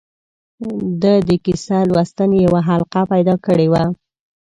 ده د کیسه لوستنې یوه حلقه پیدا کړې وه.